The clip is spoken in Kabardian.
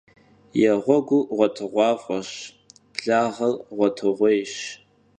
Yêğur ğuetığuaf'eş, blağer ğuetığuêyş.